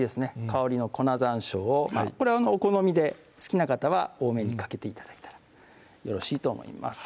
香りの粉山椒をこれお好みで好きな方は多めにかけて頂いたらよろしいと思います